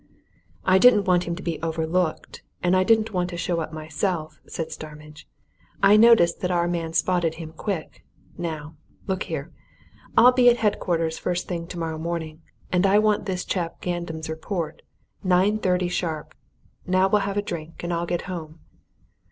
"I didn't want him to be overlooked, and I didn't want to show up myself," said Starmidge. "I noticed that our man spotted him quick. Now, look here I'll be at headquarters first thing tomorrow morning I want this chap Gandam's report. Nine thirty sharp! Now we'll have a drink, and I'll get home."